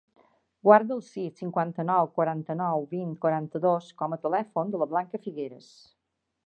Guarda el sis, cinquanta-nou, quaranta-nou, vint, quaranta-dos com a telèfon de la Blanca Figueras.